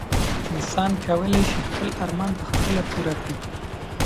انسان کولای شي خپل ارمان په خپله پوره کړي.